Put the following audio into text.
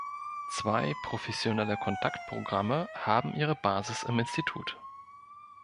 Zwei professionelle Kontaktprogramme haben ihre Basis im Institut.